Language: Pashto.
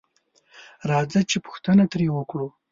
راځه چې پوښتنه تري وکړو